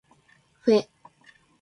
ふぇ